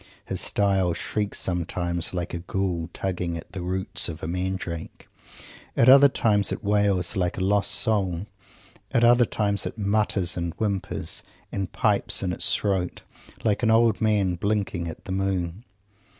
His style shrieks sometimes like a ghoul tugging at the roots of a mandrake. At other times it wails like a lost soul. At other times it mutters, and whimpers, and pipes in its throat, like an old man blinking at the moon.